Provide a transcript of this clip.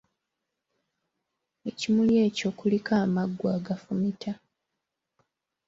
Ekimuli ekyo kuliko amaggwa agafumita.